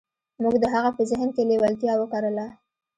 موږ د هغه په ذهن کې لېوالتیا وکرله.